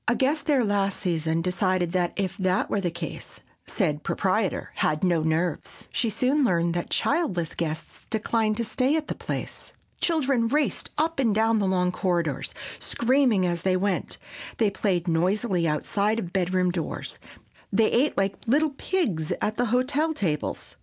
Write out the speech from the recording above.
A guest there last season decided that if that were the case said proprietor had no nerves. She soon learned that childless guests declined to stay at the place. Children raced up and down the long corridors, screaming as they went; they played noisily outside of bedroom doors; they ate like little pigs at the hotel tables.